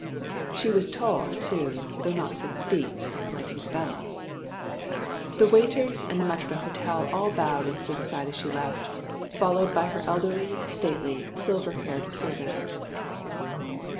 She was tall, too, though not six feet like Isabella! The waiters and maître d'hôtel all bowed and stood aside as she left, followed by her elderly, stately, silver haired servant.